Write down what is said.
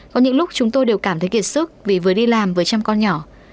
có những lúc chúng tôi đều cảm thấy kiệt sức vì vừa đi làm với chăm con nhỏ